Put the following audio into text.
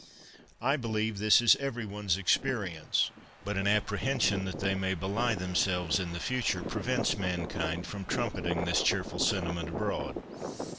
I believe this is every one's experience ; but an apprehension that they may belie themselves in the future pre vents mankind from trumpeting this cheerful senti ment abroad.